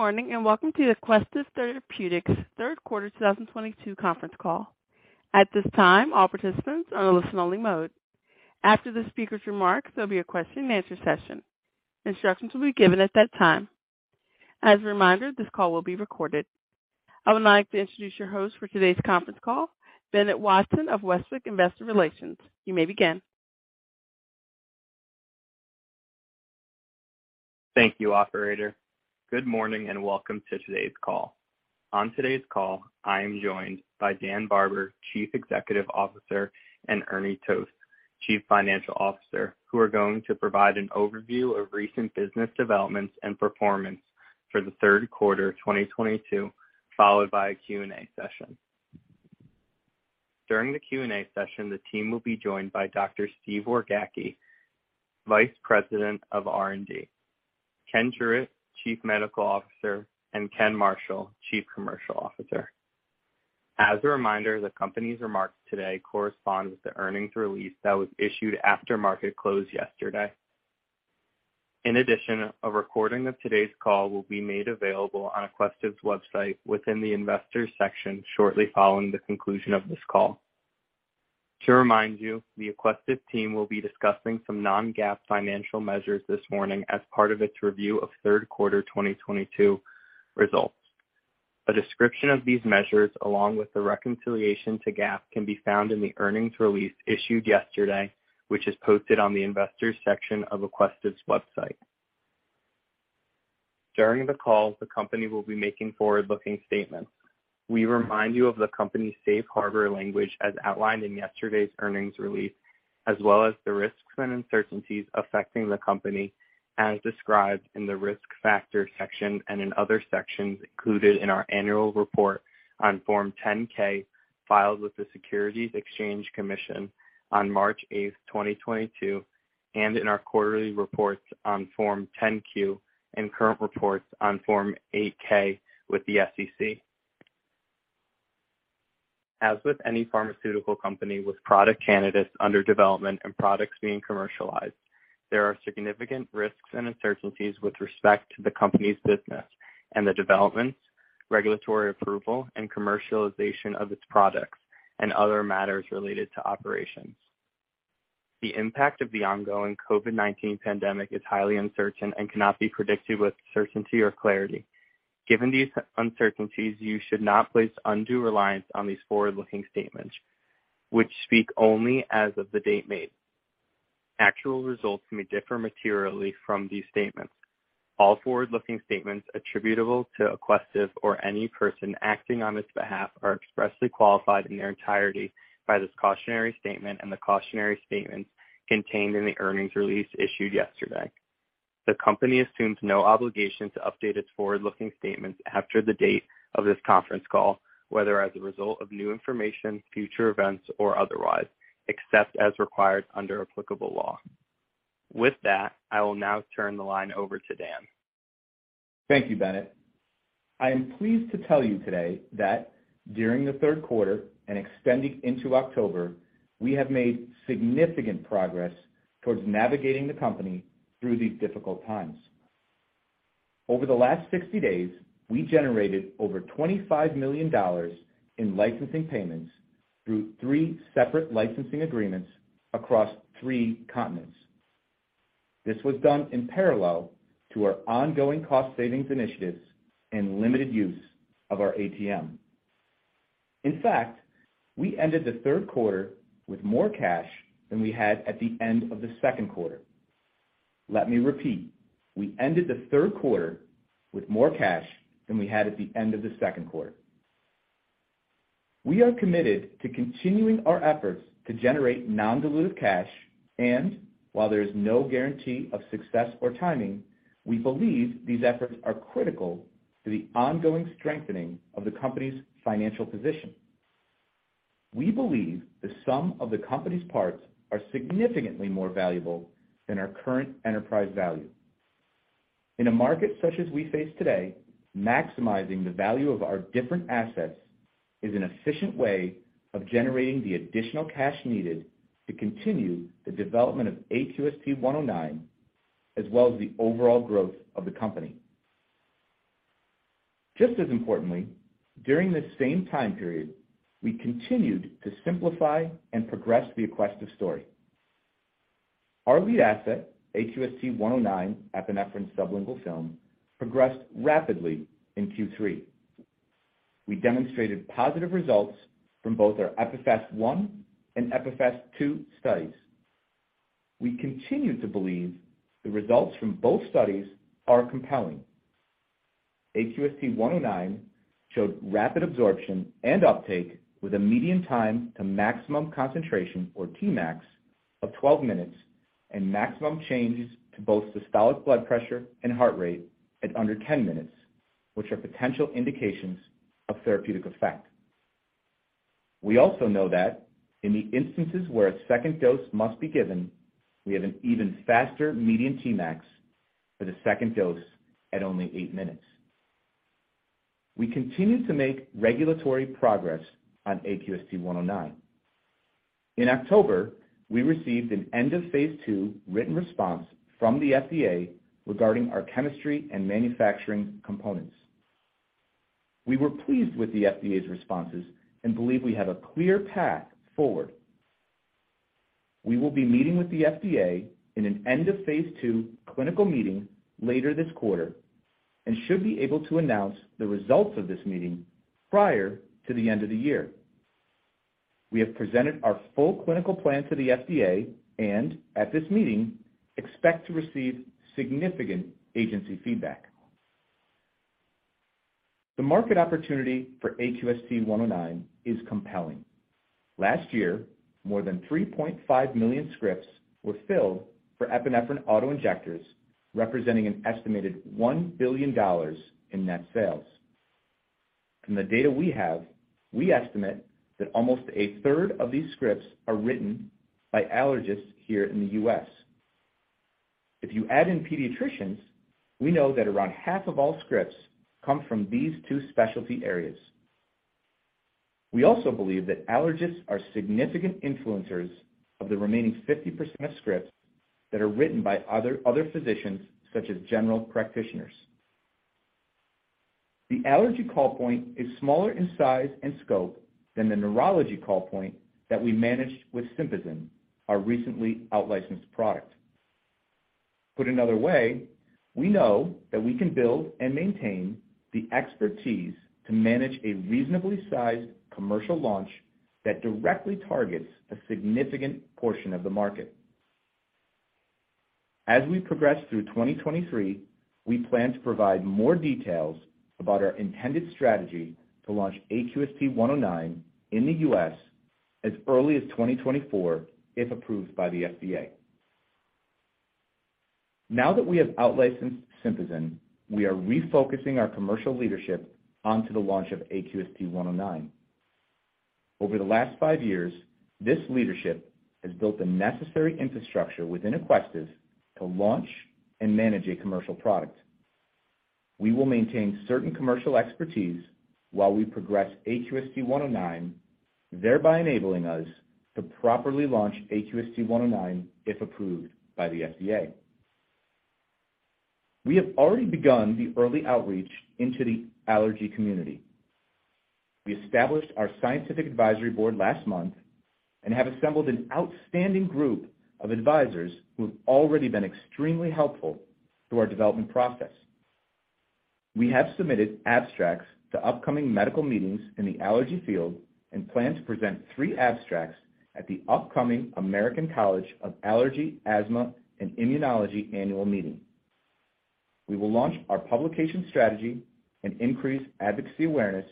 Good morning, and welcome to the Aquestive Therapeutics Third Quarter 2022 Conference Call. At this time, all participants are in listen only mode. After the speaker's remarks, there'll be a question and answer session. Instructions will be given at that time. As a reminder, this call will be recorded. I would now like to introduce your host for today's conference call, Bennett Watson of Westwicke Investor Relations. You may begin. Thank you, operator. Good morning, and welcome to today's call. On today's call, I am joined by Dan Barber, Chief Executive Officer, and Ernie Toth, Chief Financial Officer, who are going to provide an overview of recent business developments and performance for the third quarter 2022, followed by a Q&A session. During the Q&A session, the team will be joined by Dr. Steve Wargacki, Vice President of R&D, Ken Truitt, Chief Medical Officer, and Ken Marshall, Chief Commercial Officer. As a reminder, the company's remarks today correspond with the earnings release that was issued after market close yesterday. In addition, a recording of today's call will be made available on Aquestive's website within the investors section shortly following the conclusion of this call. To remind you, the Aquestive team will be discussing some non-GAAP financial measures this morning as part of its review of third quarter 2022 results. A description of these measures, along with the reconciliation to GAAP, can be found in the earnings release issued yesterday, which is posted on the Investors section of Aquestive's website. During the call, the company will be making forward-looking statements. We remind you of the company's safe harbor language as outlined in yesterday's earnings release, as well as the risks and uncertainties affecting the company as described in the Risk Factors section and in other sections included in our annual report on Form 10-K filed with the Securities and Exchange Commission on March 8, 2022, and in our quarterly reports on Form 10-Q and current reports on Form 8-K with the SEC. As with any pharmaceutical company with product candidates under development and products being commercialized, there are significant risks and uncertainties with respect to the company's business and the developments, regulatory approval, and commercialization of its products and other matters related to operations. The impact of the ongoing COVID-19 pandemic is highly uncertain and cannot be predicted with certainty or clarity. Given these uncertainties, you should not place undue reliance on these forward-looking statements which speak only as of the date made. Actual results may differ materially from these statements. All forward-looking statements attributable to Aquestive or any person acting on its behalf are expressly qualified in their entirety by this cautionary statement and the cautionary statements contained in the earnings release issued yesterday. The company assumes no obligation to update its forward-looking statements after the date of this conference call, whether as a result of new information, future events, or otherwise, except as required under applicable law. With that, I will now turn the line over to Dan. Thank you, Bennett. I am pleased to tell you today that during the third quarter and extending into October, we have made significant progress towards navigating the company through these difficult times. Over the last 60 days, we generated over $25 million in licensing payments through 3 separate licensing agreements across 3 continents. This was done in parallel to our ongoing cost savings initiatives and limited use of our ATM. In fact, we ended the third quarter with more cash than we had at the end of the second quarter. Let me repeat. We ended the third quarter with more cash than we had at the end of the second quarter. We are committed to continuing our efforts to generate non-dilutive cash, and while there is no guarantee of success or timing, we believe these efforts are critical to the ongoing strengthening of the company's financial position. We believe the sum of the company's parts are significantly more valuable than our current enterprise value. In a market such as we face today, maximizing the value of our different assets is an efficient way of generating the additional cash needed to continue the development of AQST-109 as well as the overall growth of the company. Just as importantly, during this same time period, we continued to simplify and progress the Aquestive story. Our lead asset, AQST-109 epinephrine sublingual film, progressed rapidly in Q3. We demonstrated positive results from both our EPIPHAST-I and EPIPHAST II studies. We continue to believe the results from both studies are compelling. AQST-109 showed rapid absorption and uptake with a median time to maximum concentration, or Tmax, of 12 minutes and maximum changes to both systolic blood pressure and heart rate at under 10 minutes, which are potential indications of therapeutic effect. We also know that in the instances where a second dose must be given, we have an even faster median Tmax for the second dose at only 8 minutes. We continue to make regulatory progress on AQST-109. In October, we received an end of phase two written response from the FDA regarding our chemistry and manufacturing components. We were pleased with the FDA's responses and believe we have a clear path forward. We will be meeting with the FDA in an end of Phase II clinical meeting later this quarter, and should be able to announce the results of this meeting prior to the end of the year. We have presented our full clinical plan to the FDA and at this meeting expect to receive significant agency feedback. The market opportunity for AQST-109 is compelling. Last year, more than 3.5 million scripts were filled for epinephrine auto-injectors, representing an estimated $1 billion in net sales. From the data we have, we estimate that almost a third of these scripts are written by allergists here in the U.S. If you add in pediatricians, we know that around half of all scripts come from these two specialty areas. We also believe that allergists are significant influencers of the remaining 50% of scripts that are written by other physicians such as general practitioners. The allergy call point is smaller in size and scope than the neurology call point that we managed with Sympazan, our recently outlicensed product. Put another way, we know that we can build and maintain the expertise to manage a reasonably sized commercial launch that directly targets a significant portion of the market. As we progress through 2023, we plan to provide more details about our intended strategy to launch AQST-109 in the U.S. as early as 2024, if approved by the FDA. Now that we have outlicensed Sympazan, we are refocusing our commercial leadership onto the launch of AQST-109. Over the last 5 years, this leadership has built the necessary infrastructure within Aquestive to launch and manage a commercial product. We will maintain certain commercial expertise while we progress AQST-109, thereby enabling us to properly launch AQST-109, if approved by the FDA. We have already begun the early outreach into the allergy community. We established our scientific advisory board last month and have assembled an outstanding group of advisors who have already been extremely helpful through our development process. We have submitted abstracts to upcoming medical meetings in the allergy field and plan to present three abstracts at the upcoming American College of Allergy, Asthma and Immunology annual meeting. We will launch our publication strategy and increase advocacy awareness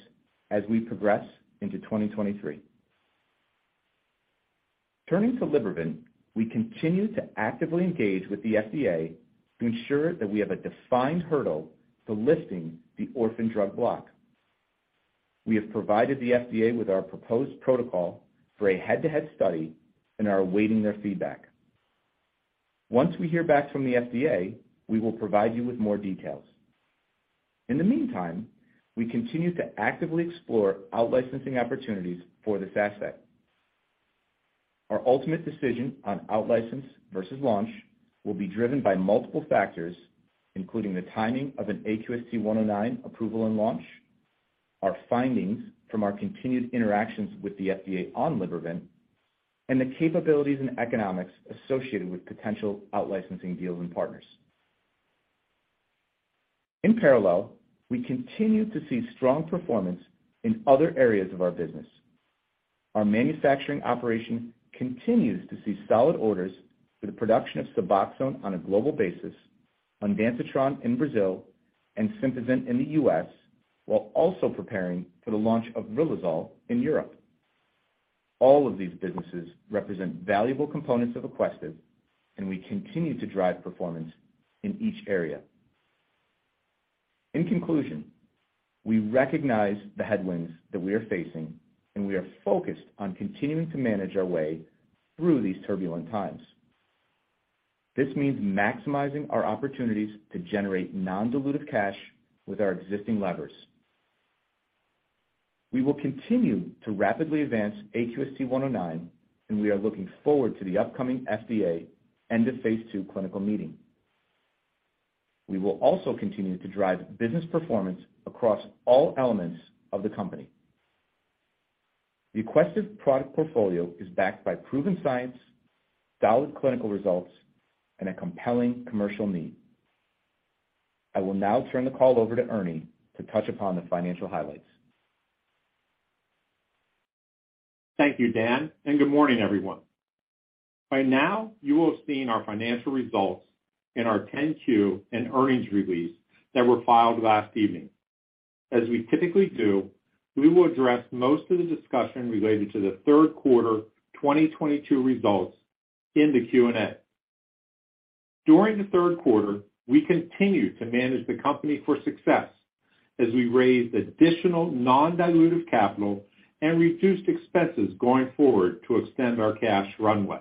as we progress into 2023. Turning to Libervant, we continue to actively engage with the FDA to ensure that we have a defined hurdle for lifting the orphan drug block. We have provided the FDA with our proposed protocol for a head-to-head study and are awaiting their feedback. Once we hear back from the FDA, we will provide you with more details. In the meantime, we continue to actively explore out-licensing opportunities for this asset. Our ultimate decision on out-license versus launch will be driven by multiple factors, including the timing of an AQST-109 approval and launch, our findings from our continued interactions with the FDA on Libervant, and the capabilities and economics associated with potential out-licensing deals and partners. In parallel, we continue to see strong performance in other areas of our business. Our manufacturing operation continues to see solid orders for the production of Suboxone on a global basis, ondansetron in Brazil, and Sympazan in the U.S, while also preparing for the launch of riluzole in Europe. All of these businesses represent valuable components of Aquestive, and we continue to drive performance in each area. In conclusion, we recognize the headwinds that we are facing, and we are focused on continuing to manage our way through these turbulent times. This means maximizing our opportunities to generate non-dilutive cash with our existing levers. We will continue to rapidly advance AQST-109, and we are looking forward to the upcoming FDA end of Phase II .clinical meeting. We will also continue to drive business performance across all elements of the company. The Aquestive product portfolio is backed by proven science, solid clinical results, and a compelling commercial need. I will now turn the call over to Ernie to touch upon the financial highlights. Thank you, Dan, and good morning, everyone. By now, you will have seen our financial results in our 10-Q and earnings release that were filed last evening. We typically do, we will address most of the discussion related to the third quarter 2022 results in the Q&A. During the third quarter, we continued to manage the company for success as we raised additional non-dilutive capital and reduced expenses going forward to extend our cash runway.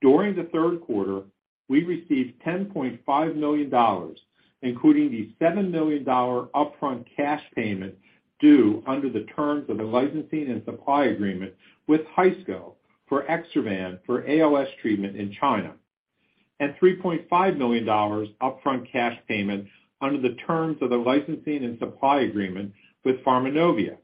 During the third quarter, we received $10.5 million, including the $7 million upfront cash payment due under the terms of the licensing and supply agreement with Haisco for Exservan for ALS treatment in China, and $3.5 million upfront cash payment under the terms of the licensing and supply agreement with Pharmanovia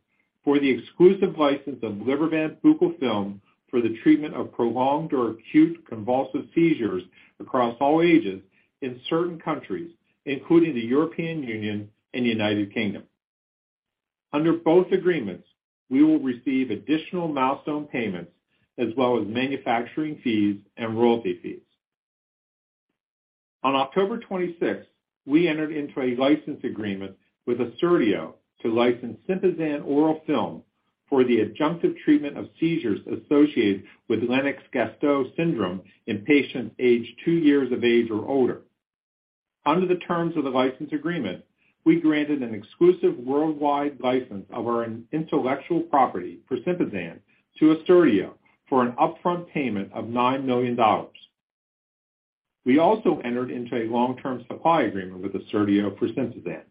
for the exclusive license of Libervant buccal film for the treatment of prolonged or acute convulsive seizures across all ages in certain countries, including the European Union and United Kingdom. Under both agreements, we will receive additional milestone payments as well as manufacturing fees and royalty fees. On October 26th, we entered into a license agreement with Assertio to license Sympazan oral film for the adjunctive treatment of seizures associated with Lennox-Gastaut syndrome in patients aged two years of age or older. Under the terms of the license agreement, we granted an exclusive worldwide license of our intellectual property for Sympazan to Assertio for an upfront payment of $9 million. We also entered into a long-term supply agreement with Assertio for Sympazan.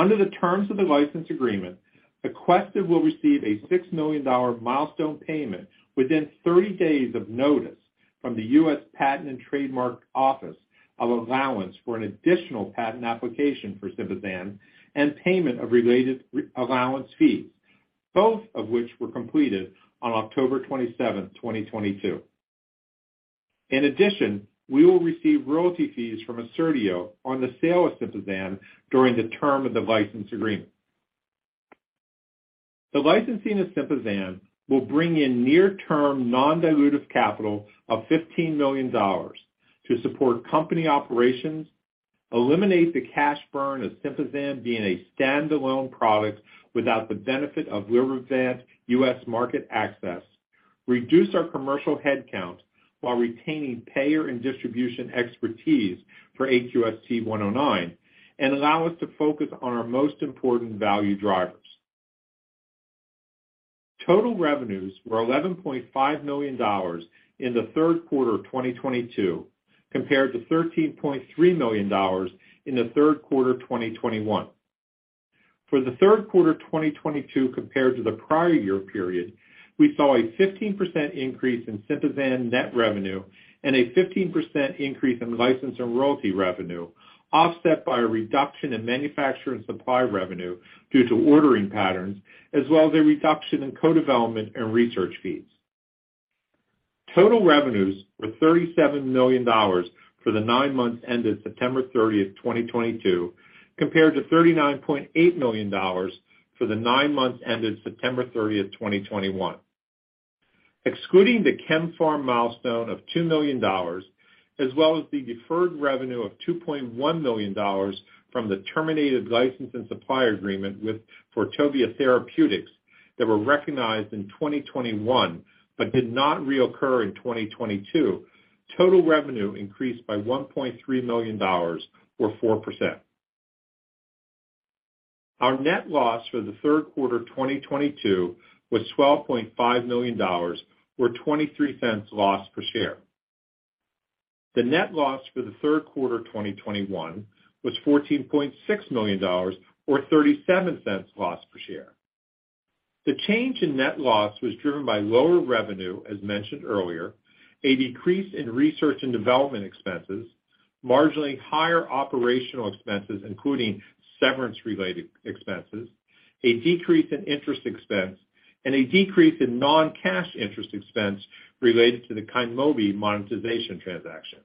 Under the terms of the license agreement, Aquestive will receive a $6 million milestone payment within 30 days of notice from the U.S. Patent and Trademark Office of allowance for an additional patent application for Sympazan and payment of related allowance fees, both of which were completed on October 27, 2022. In addition, we will receive royalty fees from Assertio on the sale of Sympazan during the term of the license agreement. The licensing of Sympazan will bring in near-term non-dilutive capital of $15 million to support company operations, eliminate the cash burn of Sympazan being a stand-alone product without the benefit of Libervant's U.S. market access, reduce our commercial head count while retaining payer and distribution expertise for AQST-109, and allow us to focus on our most important value drivers. Total revenues were $11.5 million in the third quarter of 2022, compared to $13.3 million in the third quarter of 2021. For the third quarter of 2022 compared to the prior year period, we saw a 15% increase in Sympazan net revenue and a 15% increase in license and royalty revenue, offset by a reduction in manufacturing and supply revenue due to ordering patterns, as well as a reduction in co-development and research fees. Total revenues were $37 million for the nine months ended September 30th, 2022, compared to $39.8 million for the nine months ended September 30th, 2021. Excluding the KemPharm milestone of $2 million, as well as the deferred revenue of $2.1 million from the terminated license and supply agreement with Pernix Therapeutics that were recognized in 2021 but did not reoccur in 2022, total revenue increased by $1.3 million or 4%. Our net loss for the third quarter of 2022 was $12.5 million, or $0.23 loss per share. The net loss for the third quarter of 2021 was $14.6 million, or $0.37 loss per share. The change in net loss was driven by lower revenue, as mentioned earlier, a decrease in research and development expenses, marginally higher operational expenses, including severance-related expenses, a decrease in interest expense, and a decrease in non-cash interest expense related to the Kynmobi monetization transaction.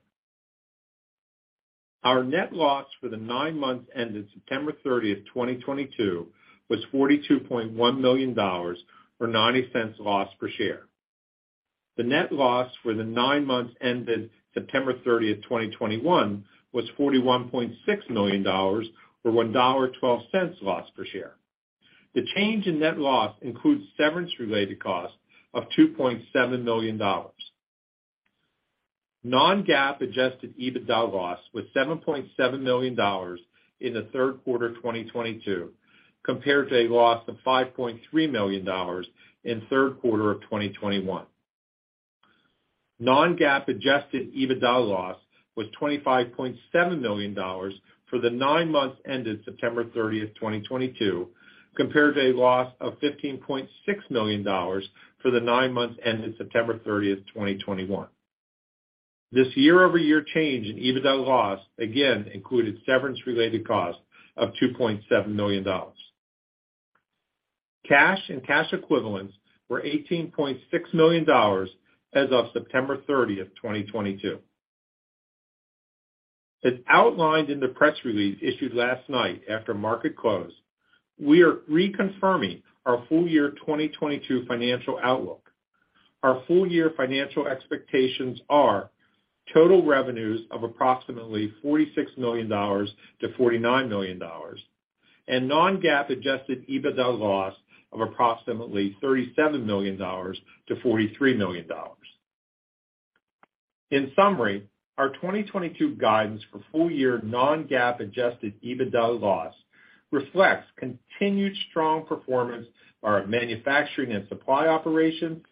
Our net loss for the nine months ended September 30th, 2022, was $42.1 million, or $0.90 loss per share. The net loss for the nine months ended September 30, 2021, was $41.6 million, or $1.12 loss per share. The change in net loss includes severance-related costs of $2.7 million. Non-GAAP adjusted EBITDA loss was $7.7 million in the third quarter of 2022, compared to a loss of $5.3 million in third quarter of 2021. Non-GAAP adjusted EBITDA loss was $25.7 million for the nine months ended September 30th, 2022, compared to a loss of $15.6 million for the nine months ended September 30th, 2021. This year-over-year change in EBITDA loss again included severance-related costs of $2.7 million. Cash and cash equivalents were $18.6 million as of September 30th, 2022. As outlined in the press release issued last night after market close, we are reconfirming our full year 2022 financial outlook. Our full year financial expectations are total revenues of approximately $46 million-$49 million and non-GAAP adjusted EBITDA loss of approximately $37 million-$43 million. In summary, our 2022 guidance for full-year non-GAAP adjusted EBITDA loss reflects continued strong performance by our manufacturing and supply operations,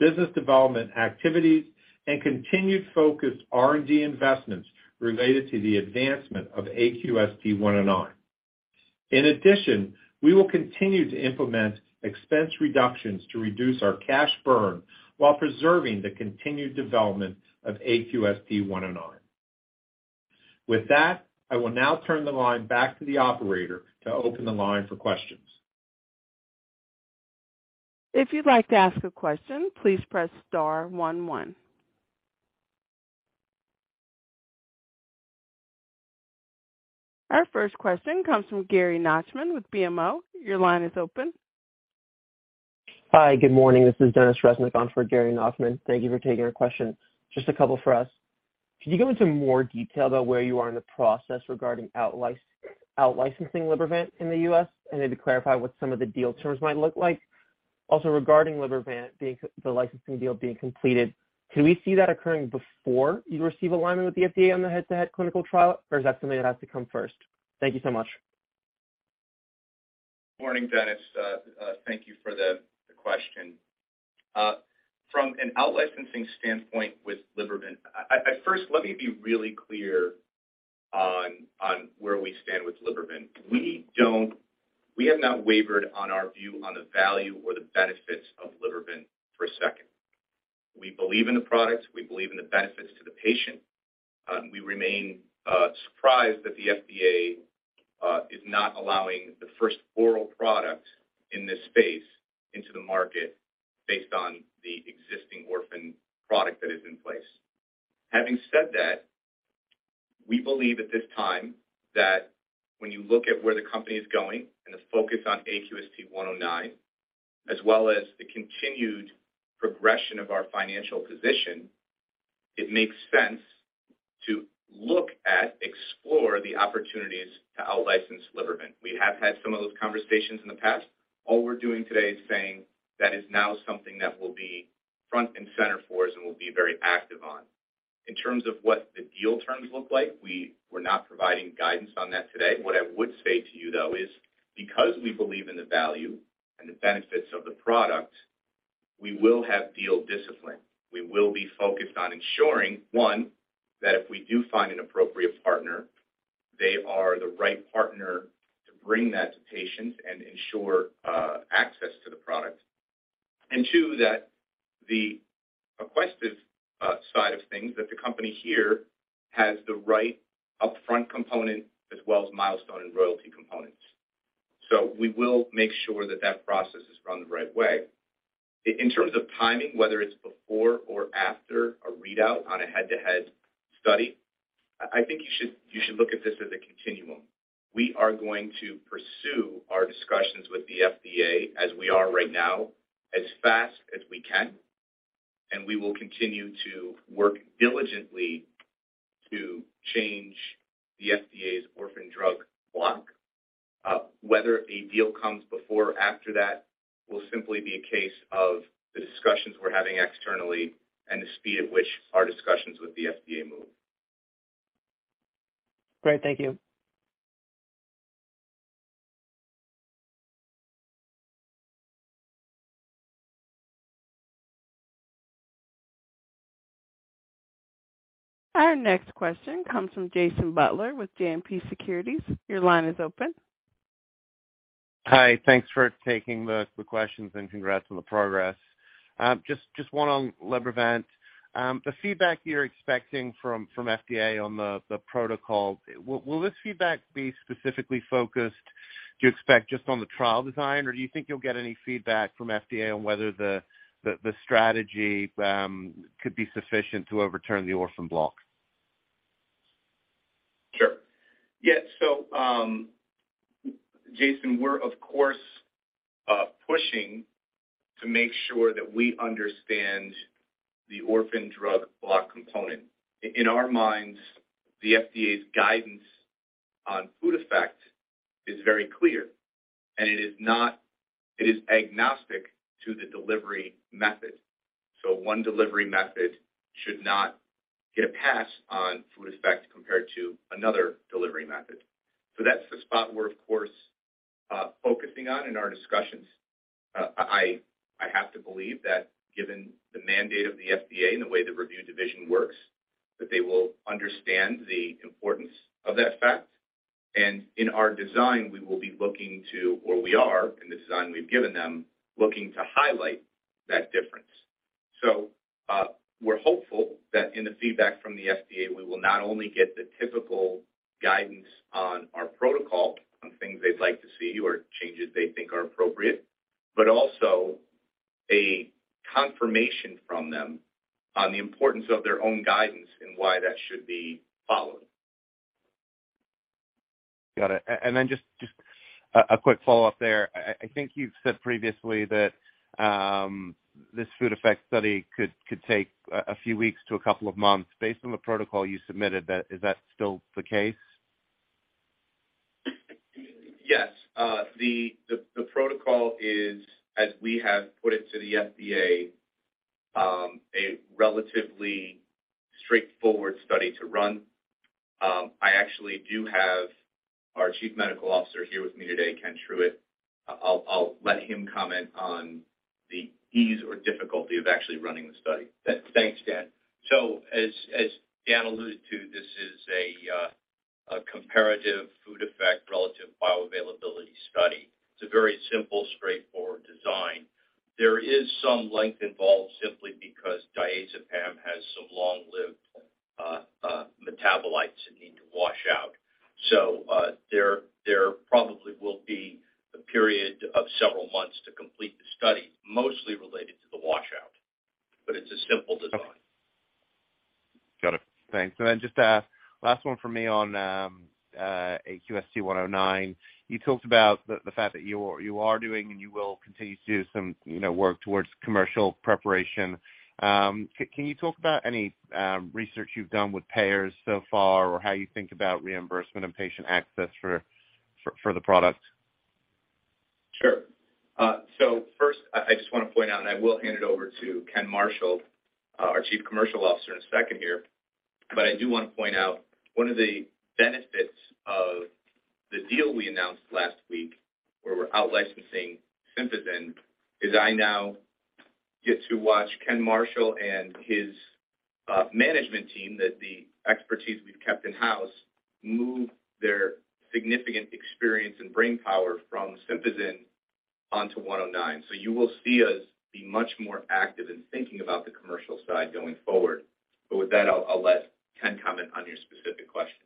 business development activities, and continued focused R&D investments related to the advancement of AQST-109. In addition, we will continue to implement expense reductions to reduce our cash burn while preserving the continued development of AQST-109. With that, I will now turn the line back to the operator to open the line for questions. If you'd like to ask a question, please press star one one. Our first question comes from Gary Nachman with BMO. Your line is open. Hi. Good morning. This is Denis Reznik on for Gary Nachman. Thannk you for taking our question. Just a couple for us. Can you go into more detail about where you are in the process regarding out licensing Libervant in the U.S., and maybe clarify what some of the deal terms might look like? Also regarding Libervant, the licensing deal being completed, can we see that occurring before you receive alignment with the FDA on the head-to-head clinical trial, or is that something that has to come first? Thank you so much. Morning, Dennis. Thank you for the question. From an out-licensing standpoint with Libervant, first, let me be really clear on where we stand with Libervant. We have not wavered on our view on the value or the benefits of Libervant for a second. We believe in the products, we believe in the benefits to the patient. We remain surprised that the FDA is not allowing the first oral product in this space into the market based on the existing orphan product that is in place. Having said that, we believe at this time that when you look at where the company is going and the focus on AQST-109, as well as the continued progression of our financial position, it makes sense to look at explore the opportunities to out-license Libervant. We have had some of those conversations in the past. All we're doing today is saying that is now something that will be front and center for us and we'll be very active on. In terms of what the deal terms look like, we're not providing guidance on that today. What I would say to you though is because we believe in the value and the benefits of the product, we will have deal discipline. We will be focused on ensuring, one, that if we do find an appropriate partner, they are the right partner to bring that to patients and ensure access to the product. And two, that the Aquestive side of things, that the company here has the right upfront component as well as milestone and royalty components. We will make sure that that process is run the right way. In terms of timing, whether it's before or after a readout on a head-to-head study, I think you should look at this as a continuum. We are going to pursue our discussions with the FDA as we are right now, as fast as we can, and we will continue to work diligently to change the FDA's orphan drug block. Whether a deal comes before or after that will simply be a case of the discussions we're having externally and the speed at which our discussions with the FDA move. Great. Thank you. Our next question comes from Jason Butler with JMP Securities. Your line is open. Hi. Thanks for taking the questions and congrats on the progress. Just one on Libervant. The feedback you're expecting from FDA on the protocol, will this feedback be specifically focused, do you expect, just on the trial design? Or do you think you'll get any feedback from FDA on whether the strategy could be sufficient to overturn the orphan block? Sure. Yeah. Jason, we're of course pushing to make sure that we understand the orphan drug block component. In our minds, the FDA's guidance on food effect is very clear, and it is not, it is agnostic to the delivery method. One delivery method should not get a pass on food effect compared to another delivery method. That's the spot we're of course focusing on in our discussions. I have to believe that given the mandate of the FDA and the way the review division works, that they will understand the importance of that fact. In our design, we will be looking to, or we are in the design we've given them, looking to highlight that difference. We're hopeful that in the feedback from the FDA, we will not only get the typical guidance on our protocol on things they'd like to see or changes they think are appropriate, but also a confirmation from them on the importance of their own guidance and why that should be followed. Got it. Just a quick follow-up there. I think you've said previously that this food effect study could take a few weeks to a couple of months based on the protocol you submitted. Is that still the case? Yes. The protocol is, as we have put it to the FDA, a relatively straightforward study to run. I actually do have our Chief Medical Officer here with me today, Ken Truitt. I'll let him comment on the ease or difficulty of actually running the study. Thanks, Dan. As Dan alluded to, this is a comparative food effect, relative bioavailability study. It's a very simple, straightforward design. There is some length involved simply because diazepam has some long-lived metabolites that need to wash out. There probably will be a period of several months to complete the study, mostly related to the washout. It's a simple design. Got it. Thanks. Just to ask, last one for me on AQST-109. You talked about the fact that you are doing and you will continue to do some, you know, work towards commercial preparation. Can you talk about any research you've done with payers so far, or how you think about reimbursement and patient access for the product? Sure. First, I just wanna point out and I will hand it over to Ken Marshall, our Chief Commercial Officer in a second here. I do wanna point out, one of the benefits of the deal we announced last week, where we're out-licensing Sympazan, is I now get to watch Ken Marshall and his management team that the expertise we've kept in-house move their significant experience and brainpower from Sympazan onto 109. You will see us be much more active in thinking about the commercial side going forward. With that, I'll let Ken comment on your specific question.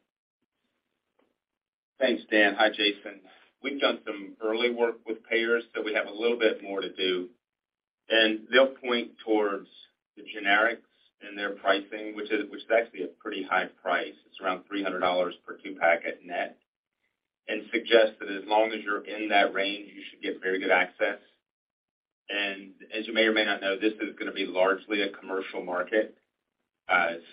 Thanks, Dan. Hi, Jason. We've done some early work with payers, so we have a little bit more to do. They'll point towards the generics and their pricing, which is actually a pretty high price. It's around $300 per two-pack at net. Suggest that as long as you're in that range, you should get very good access. As you may or may not know, this is gonna be largely a commercial market.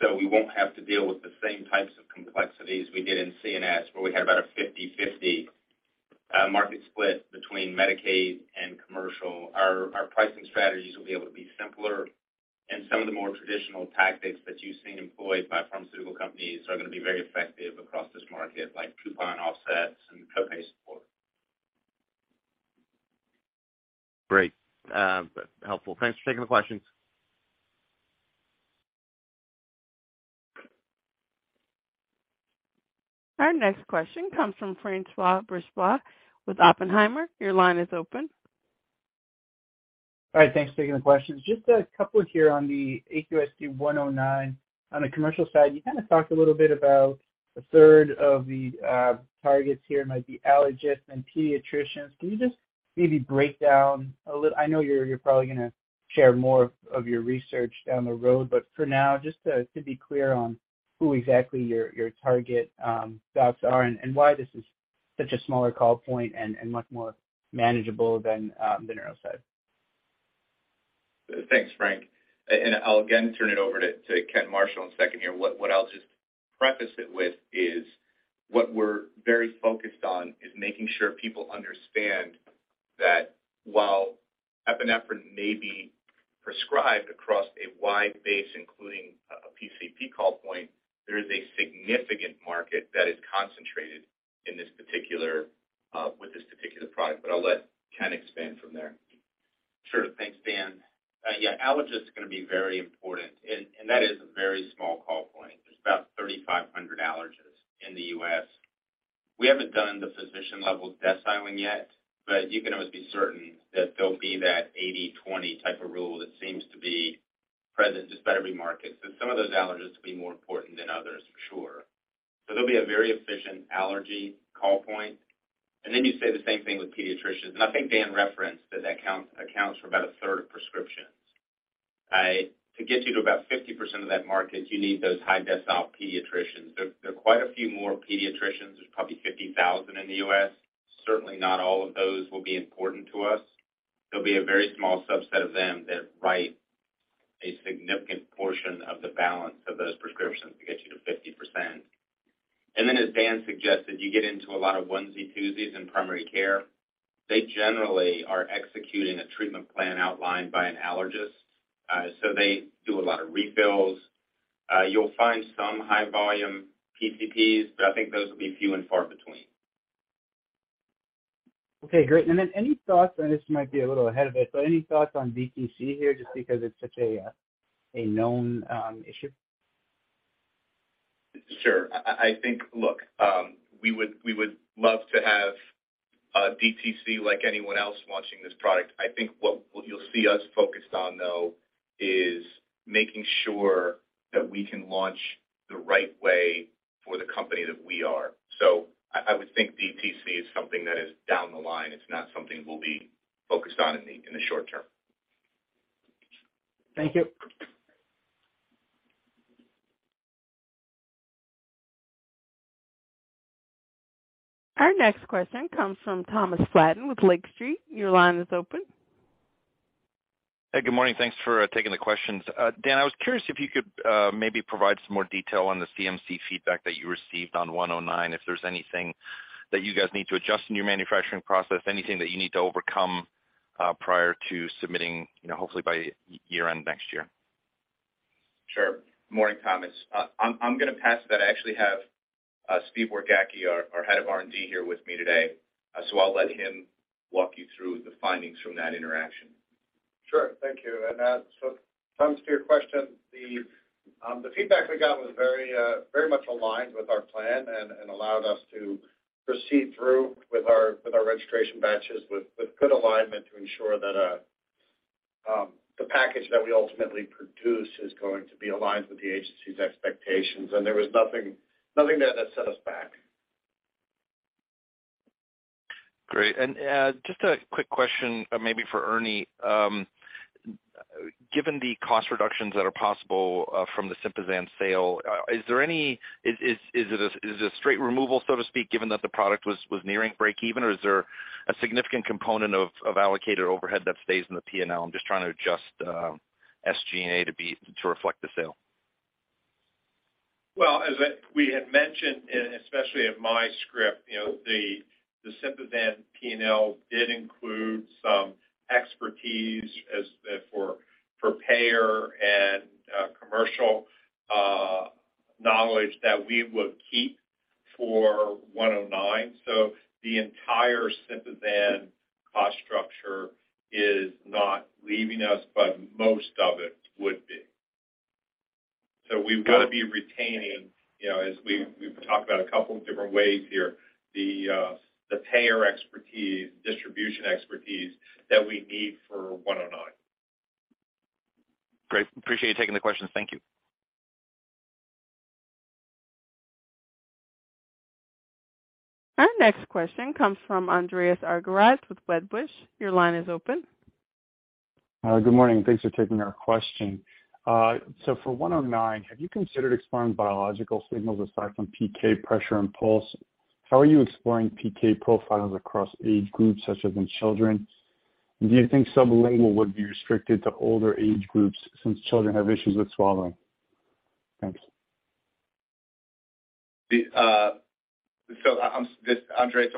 So we won't have to deal with the same types of complexities we did in CNS, where we had about a 50/50 market split between Medicaid and commercial. Our pricing strategies will be able to be simpler. Some of the more traditional tactics that you've seen employed by pharmaceutical companies are gonna be very effective across this market, like coupon offsets and co-pay support. Great. Helpful. Thanks for taking the questions. Our next question comes from François Brisebois with Oppenheimer. Your line is open. All right, thanks for taking the questions. Just a couple here on the AQST-109. On the commercial side, you kinda talked a little bit about a third of the targets here might be allergists and pediatricians. Can you just maybe break down. I know you're probably gonna share more of your research down the road, but for now, just to be clear on who exactly your target docs are and why this is such a smaller call point and much more manageable than the neuro side. Thanks, Frank. I'll again turn it over to Ken Marshall in a second here. What I'll just preface it with is what we're very focused on is making sure people understand that while epinephrine may be prescribed across a wide base, including a PCP call point, there is a significant market that is concentrated in this particular with this particular product. I'll let Ken expand from there. Sure. Thanks, Dan. Yeah, allergist is gonna be very important and that is a very small call point. There's about 3,500 allergists in the U.S. We haven't done the physician level deciling yet, but you can almost be certain that there'll be that 80/20 type of rule that seems to be present just about every market. Some of those allergists will be more important than others for sure. There'll be a very efficient allergy call point. Then you say the same thing with pediatricians. I think Dan referenced that accounts for about a third of prescriptions. To get you to about 50% of that market, you need those high decile pediatricians. There are quite a few more pediatricians. There's probably 50,000 in the U.S. Certainly not all of those will be important to us. There'll be a very small subset of them that write a significant portion of the balance of those prescriptions to get you to 50%. Then as Dan suggested, you get into a lot of onesie-twosies in primary care. They generally are executing a treatment plan outlined by an allergist, so they do a lot of refills. You'll find some high volume PCPs, but I think those will be few and far between. Okay, great. Any thoughts, and this might be a little ahead of it, but any thoughts on DTC here just because it's such a known issue? Sure. I think, look, we would love to have a DTC like anyone else launching this product. I think you'll see us focused on though is making sure that we can launch the right way for the company that we are. I would think DTC is something that is down the line. It's not something we'll be focused on in the short term. Thank you. Our next question comes from Thomas Flaten with Lake Street. Your line is open. Hey, good morning. Thanks for taking the questions. Dan, I was curious if you could maybe provide some more detail on the CMC feedback that you received on 109, if there's anything that you guys need to adjust in your manufacturing process, anything that you need to overcome, prior to submitting, you know, hopefully by year end next year. Sure. Morning, Thomas. I'm gonna pass that. I actually have Steve Wargacki, our head of R&D here with me today. So I'll let him walk you through the findings from that interaction. Sure. Thank you. So Thomas, to your question, the feedback we got was very much aligned with our plan and allowed us to proceed through with our registration batches with good alignment to ensure that the package that we ultimately produce is going to be aligned with the agency's expectations. There was nothing there that set us back. Great. Just a quick question maybe for Ernie. Given the cost reductions that are possible from the Sympazan sale, is it a straight removal, so to speak, given that the product was nearing break even? Or is there a significant component of allocated overhead that stays in the P&L? I'm just trying to adjust SG&A to reflect the sale. Well, we had mentioned, and especially in my script, you know, the Sympazan P&L did include some expenses for payer and commercial knowledge that we would keep for 109. The entire Sympazan cost structure is not leaving us, but most of it would be. We will be retaining, you know, as we've talked about a couple of different ways here, the payer expertise, distribution expertise that we need for 109. Great. Appreciate you taking the questions. Thank you. Our next question comes from Andreas Argyrides with Wedbush. Your line is open. Good morning. Thanks for taking our question. For 109, have you considered exploring biological signals aside from PK pressure and pulse? How are you exploring PK profiles across age groups such as in children? Do you think sublingual would be restricted to older age groups since children have issues with swallowing? Thanks. Andreas, I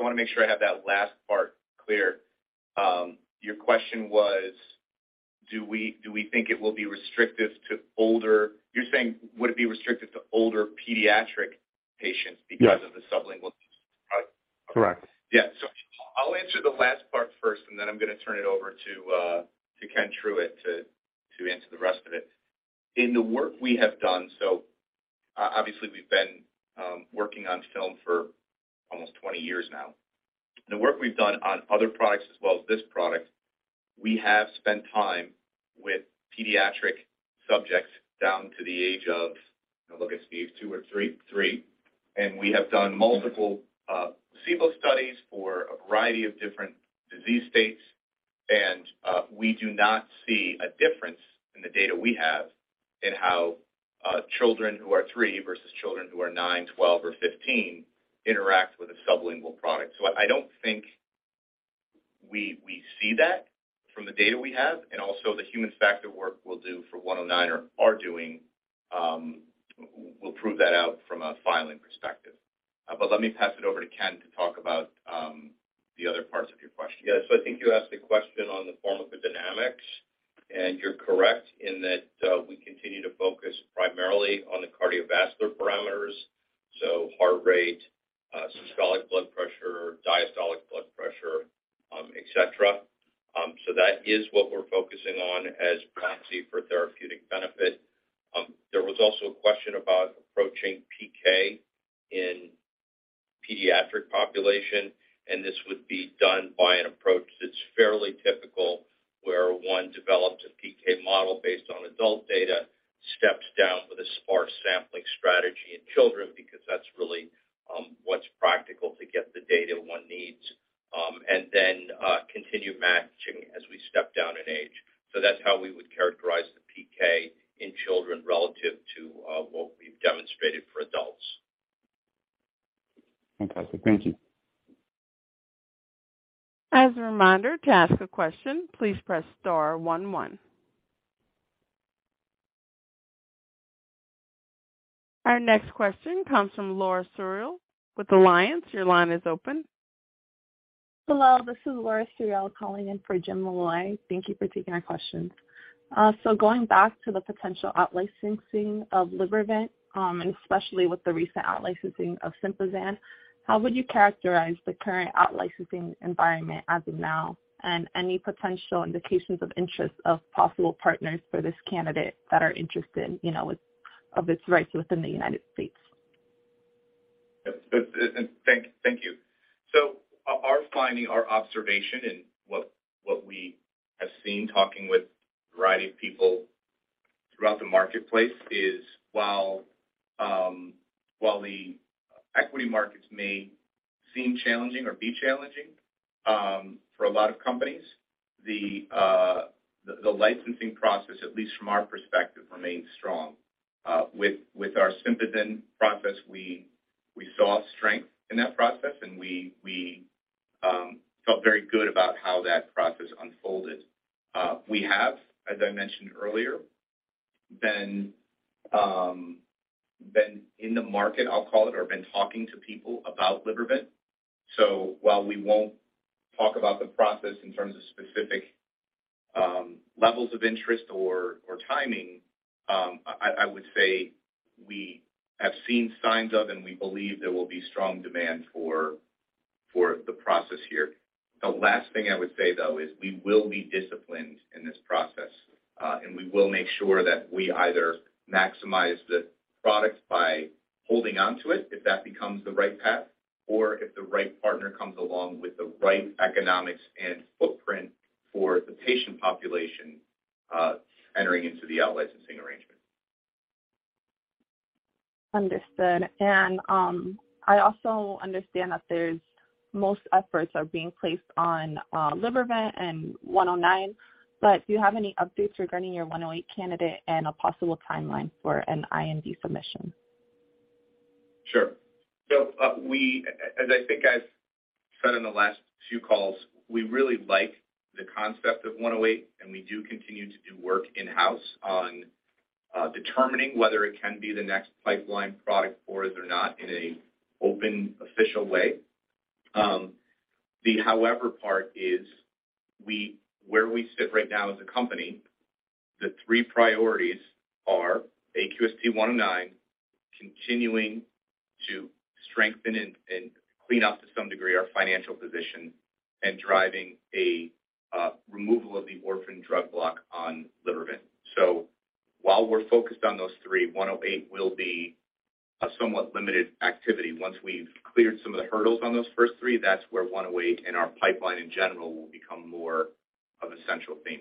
want to make sure I have that last part clear. Your question was, do we think it will be restrictive to older. You're saying, would it be restricted to older pediatric patients because. Yes. of the sublingual use of the product? Correct. Yeah. So I'll answer the last part first, and then I'm gonna turn it over to Ken Truitt to answer the rest of it. In the work we have done, obviously we've been working on film for almost 20 years now. The work we've done on other products as well as this product, we have spent time with pediatric subjects down to the age of, I'll look at Steve, 2 or 3? 3. We have done multiple placebo studies for a variety of different disease states, and we do not see a difference in the data we have in how children who are 3 versus children who are 9, 12 or 15 interact with a sublingual product. I don't think we see that from the data we have and also the human factor work we'll do for 109 or are doing, we'll prove that out from a filing perspective. Let me pass it over to Ken to talk about the other parts of your question. Yeah. I think you asked a question on the pharmacodynamics, and you're correct in that, we continue to focus primarily on the cardiovascular parameters, so heart rate, systolic blood pressure, diastolic blood pressure, et cetera. That is what we're focusing on as proxy for therapeutic benefit. There was also a question about approaching PK in pediatric population, and this would be done by an approach that's fairly typical, where one develops a PK model based on adult data, steps down with a sparse sampling strategy in children because that's really, what's practical to get the data one needs. Then continue matching as we step down in age. That's how we would characterize the PK in children relative to, what we've demonstrated for adults. Fantastic. Thank you. As a reminder, to ask a question, please press star one one. Our next question comes from Laura Suriel with Alliance. Your line is open. Hello, this is Laura Suriel calling in for Jim Molloy. Thank you for taking our questions. Going back to the potential out licensing of Libervant, and especially with the recent out licensing of Sympazan, how would you characterize the current out licensing environment as of now, and any potential indications of interest of possible partners for this candidate that are interested, you know, of its rights within the United States? Yes. Thank you. Our finding, our observation and what we have seen talking with a variety of people throughout the marketplace is while the equity markets may seem challenging or be challenging for a lot of companies, the licensing process, at least from our perspective, remains strong. With our Sympazan process we saw strength in that process, and we felt very good about how that process unfolded. We have, as I mentioned earlier, been in the market, I'll call it, or been talking to people about Libervant. While we won't talk about the process in terms of specific levels of interest or timing, I would say we have seen signs of, and we believe there will be strong demand for the process here. The last thing I would say, though, is we will be disciplined in this process, and we will make sure that we either maximize the product by holding onto it if that becomes the right path, or if the right partner comes along with the right economics and footprint for the patient population, entering into the out-licensing arrangement. Understood. I also understand that there's most efforts are being placed on Libervant and 109, but do you have any updates regarding your 108 candidate and a possible timeline for an IND submission? Sure. As I think I've said in the last few calls, we really like the concept of AQST-108, and we do continue to do work in-house on determining whether it can be the next pipeline product for us or not in an open official way. The however part is where we sit right now as a company, the three priorities are AQST-109, continuing to strengthen and clean up to some degree our financial position, and driving a removal of the orphan drug block on Libervant. While we're focused on those three, AQST-108 will be a somewhat limited activity. Once we've cleared some of the hurdles on those first three, that's where AQST-108 and our pipeline in general will become more of a central theme.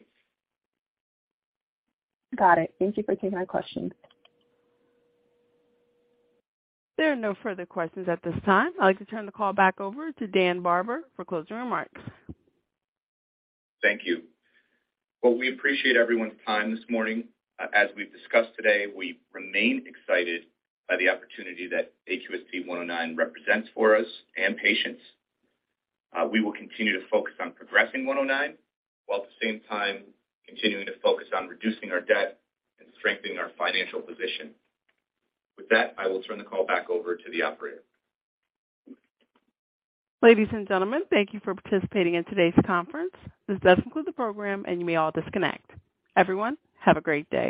Got it. Thank you for taking my question. There are no further questions at this time. I'd like to turn the call back over to Dan Barber for closing remarks. Thank you. Well, we appreciate everyone's time this morning. As we've discussed today, we remain excited by the opportunity that AQST-109 represents for us and patients. We will continue to focus on progressing 109, while at the same time continuing to focus on reducing our debt and strengthening our financial position. With that, I will turn the call back over to the operator. Ladies and gentlemen, thank you for participating in today's conference. This does conclude the program, and you may all disconnect. Everyone, have a great day.